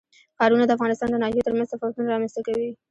ښارونه د افغانستان د ناحیو ترمنځ تفاوتونه رامنځ ته کوي.